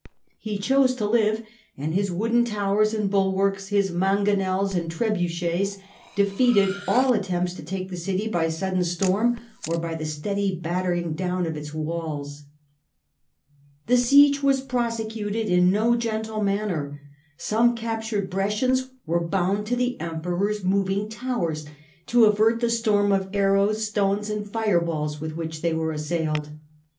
He chose to live, and his wooden towers and bulwarks, his mangonels and trebuchets, defeated all attempts to take the city by sudden storm or by the steady battering down of its walls. The siege was prosecuted in no gentle manner. Some captured Brescians were bound to the Emperor's moving towers to avert the storm of arrows, stones and fire balls with which they were assailed.